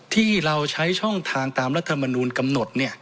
ที่เราใช้ช่องทางตามรัฐมนูลกำหนด